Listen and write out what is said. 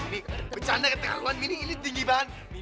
mini bercanda kata kawan mini ini tinggi banget